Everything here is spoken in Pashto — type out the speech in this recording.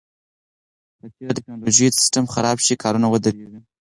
که چیرې د ټکنالوژۍ سیستم خراب شي، کارونه ودریږي.